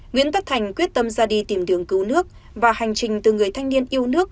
nguyễn tất thành quyết tâm ra đi tìm đường cứu nước và hành trình từ người thanh niên yêu nước